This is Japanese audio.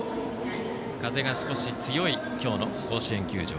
風が少し強い今日の甲子園球場。